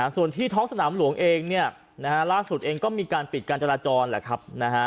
ส่วนที่ท้องสนามหลวงเองเนี่ยนะฮะล่าสุดเองก็มีการปิดการจราจรแหละครับ